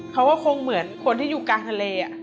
เขาก็คงเหมือนคนที่อยู่กลางทะเล